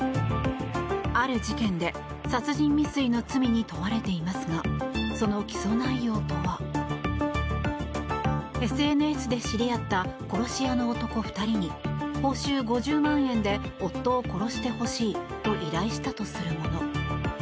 ある事件で殺人未遂の罪に問われていますがその起訴内容とは。ＳＮＳで知り合った殺し屋の男２人に報酬５０万円で夫を殺してほしいと依頼したとするもの。